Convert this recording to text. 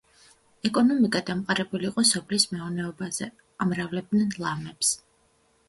ეკონომიკა დამყარებული იყო სოფლის მეურნეობაზე, ამრავლებდნენ ლამებს.